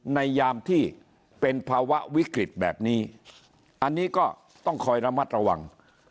ยามที่เป็นภาวะวิกฤตแบบนี้อันนี้ก็ต้องคอยระมัดระวัง